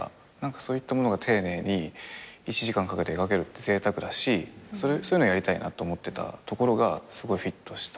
そういったものが丁寧に１時間かけて描けるってぜいたくだしそういうのやりたいって思ってたところがすごいフィットした。